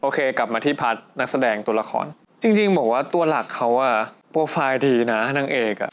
โอเคกลับมาที่พาร์ตนักแสดงตัวละครจริงบอกว่าตัวหลักเขาโปรไฟล์ดีนะนางเอก